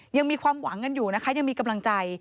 ยังมีความหวังกันอยู่นะคะยังมีกำลังใจ